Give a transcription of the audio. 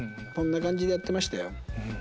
そんな感じでやってましたよ。